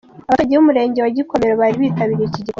Abaturage b'umurenga wa Gikomero bari bitabiriye iki gikorwa.